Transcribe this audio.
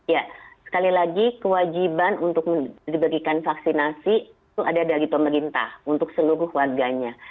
ya sekali lagi kewajiban untuk diberikan vaksinasi itu ada dari pemerintah untuk seluruh warganya